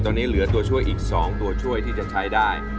ตอนนี้เหลือตัวช่วยอีก๒ตัวช่วยที่จะใช้ได้